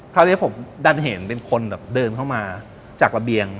คราวนี้ผมดันเห็นเป็นคนแบบเดินเข้ามาจากระเบียง